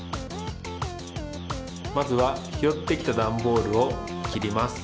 まずはひろってきたダンボールをきります。